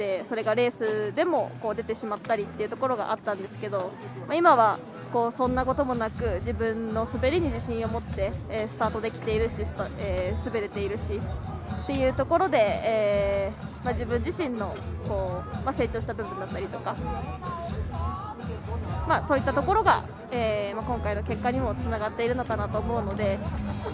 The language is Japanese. それがレースでも出てしまったりというところがあったんですけど今はそんなこともなく自分の滑りに自信を持ってスタートできているし滑れているしっていうところで自分自身の成長した部分だったりそういったところが今回の結果にもつながっているのかなと思うので。